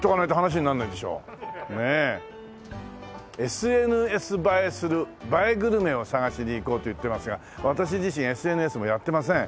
ＳＮＳ映えする映えグルメを探しに行こうと言ってますが私自身ＳＮＳもやってません。